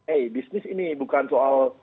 eh bisnis ini bukan soal